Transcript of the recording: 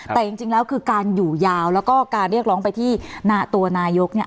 แต่จริงแล้วคือการอยู่ยาวแล้วก็การเรียกร้องไปที่ตัวนายกเนี่ย